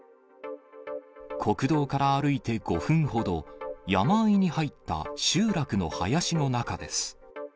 国道から歩いて５分ほど、山あいに入った集落の林の中です。